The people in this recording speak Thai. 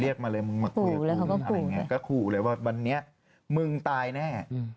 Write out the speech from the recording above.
เรียกมาเลยมึงมาเหลือกูมึงก็คูเลยว่าวันนี้มึงตายแน่